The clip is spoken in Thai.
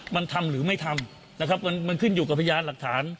มันทำหรือไม่ทำนะครับมันขึ้นอยู่กับพยานหลักฐาน